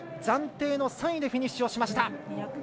暫定の３位でフィニッシュをしました。